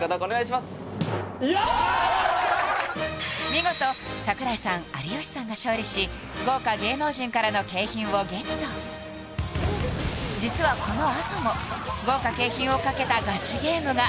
見事櫻井さん有吉さんが勝利し豪華芸能人からの景品をゲット実はこのあとも豪華景品をかけたガチゲームが！